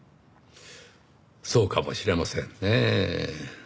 そうかもしれませんねぇ。